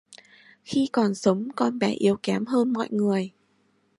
Khi còn sống con bé yếu kém hơn mọi người